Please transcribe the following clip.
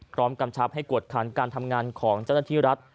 กำชับให้กวดขันการทำงานของเจ้าหน้าที่รัฐ